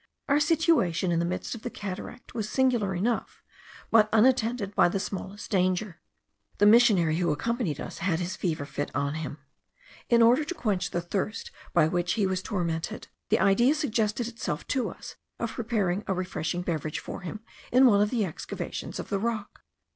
Our situation, in the midst of the cataract, was singular enough, but unattended by the smallest danger. The missionary, who accompanied us, had his fever fit on him. In order to quench the thirst by which he was tormented, the idea suggested itself to us of preparing a refreshing beverage for him in one of the excavations of the rock.